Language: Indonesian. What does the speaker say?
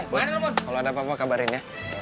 boy kalau ada apa apa kabarin ya